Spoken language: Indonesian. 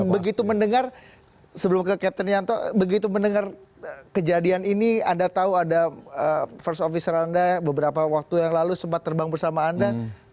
begitu mendengar sebelum ke captain yanto begitu mendengar kejadian ini anda tahu ada first officer anda beberapa waktu yang lalu sempat terbang bersama anda